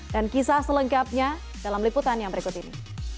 dan kisah selengkapnya dalam liputan yang berikut ini